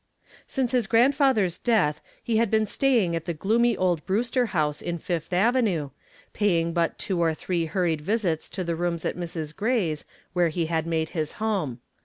Since his grandfather's death he had been staying at the gloomy old Brewster house in Fifth Avenue, paying but two or three hurried visits to the rooms at Mrs. Gray's, where he had made his home.